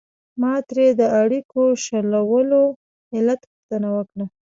ما ترې د اړیکو شلولو علت پوښتنه وکړه.